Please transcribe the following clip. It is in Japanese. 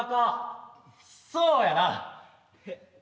そうやな。